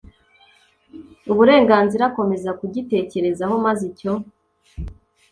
uburenganzira akomeza kugitekerezaho maze icyo